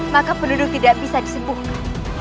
maka penduduk tidak bisa disembuhkan